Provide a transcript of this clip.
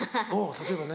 例えば何？